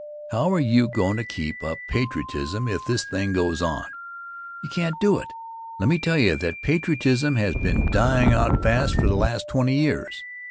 How are you goin' to keep up patriotism if this thing goes On? You can't do it. Let me tell you that patriotism has been dying out fast for the last twenty years.